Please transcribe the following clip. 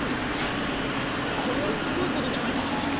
これはすごいことじゃないか！